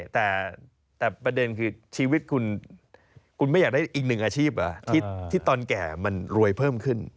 แต่ประเด็นคือชีวิตคุณไม่อยากได้อีกหนึ่งอาชีพเหรอที่ตอนแก่มันรวยเพิ่มขึ้น